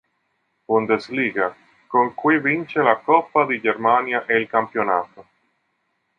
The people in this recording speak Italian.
Bundesliga, con cui vince la Coppa di Germania e il campionato.